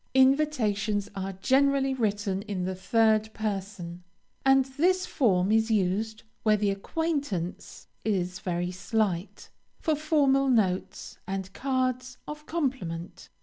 INVITATIONS are generally written in the third person, and this form is used where the acquaintance is very slight, for formal notes, and cards of compliment.